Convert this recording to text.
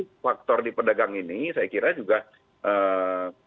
nah ini faktor di pedagang ini saya kira juga yang terjadi